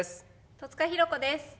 戸塚寛子です。